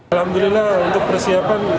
alhamdulillah untuk persiapan